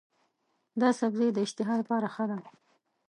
دا سبزی د اشتها لپاره ښه دی.